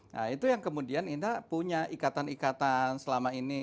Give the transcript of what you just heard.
nah itu yang kemudian indah punya ikatan ikatan selama ini